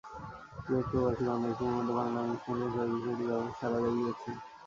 Kuwait প্রবাসী বাংলাদেশিদের মধ্যে বাংলায় অনুষ্ঠান প্রচারের বিষয়টি ব্যাপক সাড়া জাগিয়েছে।